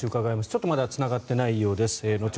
ちょっとまだつながっていないようです。